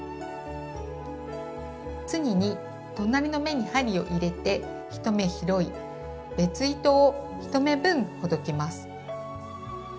次に隣の目に針を入れて１目拾い別糸を１目分ほどきます。